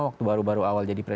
hukumnya masa apa